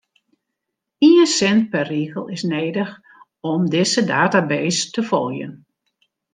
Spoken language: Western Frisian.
Ien sin per rigel is nedich om dizze database te foljen.